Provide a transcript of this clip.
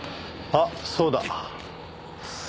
あっそうだ。